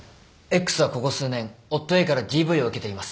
Ｘはここ数年夫ＡからＤＶを受けています。